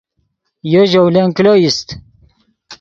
یو ژولن کلو ایست